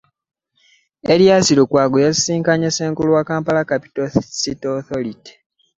Erias Lukwago yasisinkanye ssenkulu wa Kampala Capital City Authority.